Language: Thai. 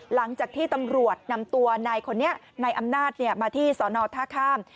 หลังจากที่ตำรวจนำตัวนายคนนี้นายอำนาจมาที่สอนอท่าข้าม